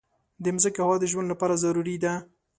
د مځکې هوا د ژوند لپاره ضروري ده.